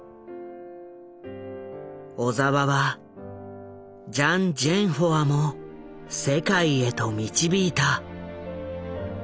小澤はジャン・ジェンホワも世界へと導いた。